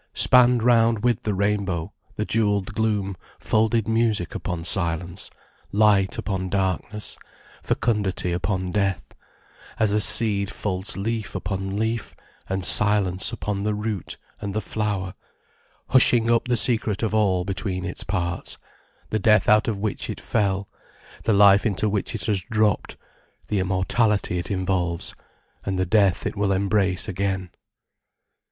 Spanned round with the rainbow, the jewelled gloom folded music upon silence, light upon darkness, fecundity upon death, as a seed folds leaf upon leaf and silence upon the root and the flower, hushing up the secret of all between its parts, the death out of which it fell, the life into which it has dropped, the immortality it involves, and the death it will embrace again.